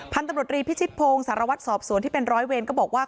พันธุ์ตำรวจรีพิชิตโพงสารวัตรสอบสวนที่เป็น๑๐๐เวนก็บอกว่า